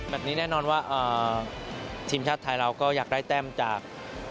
แน่นอนว่าทีมชาติไทยเราก็อยากได้แต้มจาก